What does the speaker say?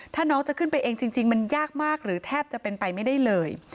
ถ้าน้องจะขึ้นไปเองจริงมันยากมากหรือแทบจะเป็นไปไม่ได้เลย